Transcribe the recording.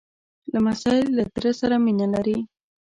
لمسی له تره سره مینه لري.